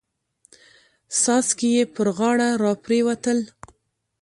څاڅکي يې پر غاړه را پريوتل.